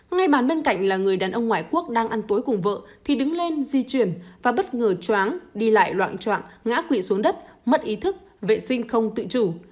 ngay bàn bên cạnh là người đàn ông ngoại quốc đang ăn tối cùng vợ thì đứng lên di chuyển và bất ngờ choáng đi lại loạn trạng ngã quỵ xuống đất mất ý thức vệ sinh không tự chủ